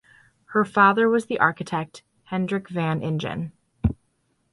Her father was the architect Hendrik van Ingen.